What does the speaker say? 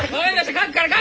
書くから書くから！